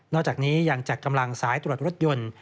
อกจากนี้ยังจัดกำลังสายตรวจรถยนต์